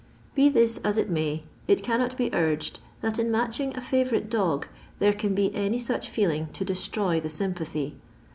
Be this as it may, it cannot be urged that in matching a favourite dog there can be any such feeling to destroy the sympathy.